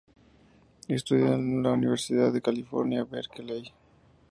Estudió en la Universidad de California, Berkeley.